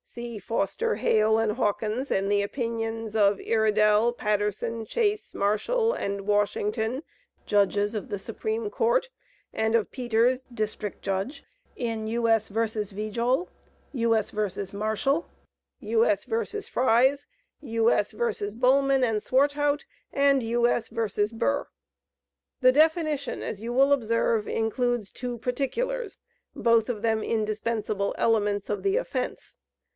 (See Foster, Hale, and Hawkins, and the opinions of Iredell, Patterson, Chase, Marshall, and Washington, J.J., of the Supreme Court, and of Peters, D.J., in U.S. vs. Vijol, U.S. vs. Mitchell, U.S. vs. Fries, U.S. vs. Bollman and Swartwout, and U.S. vs. Burr). The definition, as you will observe, includes two particulars, both of them indispensable elements of the offence.